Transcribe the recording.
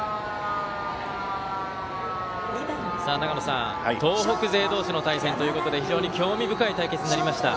長野さん、東北勢同士の対戦ということで非常に興味深い対決になりました。